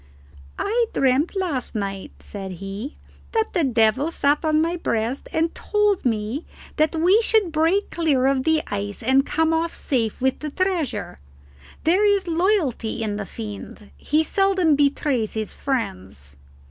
"I dreamt last night," said he, "that the devil sat on my breast and told me that we should break clear of the ice and come off safe with the treasure there is loyalty in the Fiend. He seldom betrays his friends."